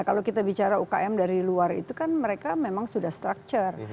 kalau kita bicara ukm dari luar itu kan mereka memang sudah structure